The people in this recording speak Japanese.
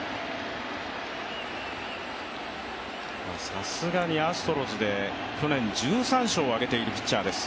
さすがにアストロズで去年１３勝を挙げているピッチャーです